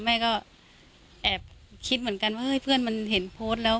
แม่ก็แอบคิดเหมือนกันว่าเฮ้ยเพื่อนมันเห็นโพสต์แล้ว